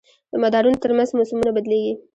د مدارونو تر منځ موسمونه بدلېږي.